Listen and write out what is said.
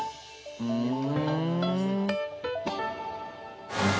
ふん！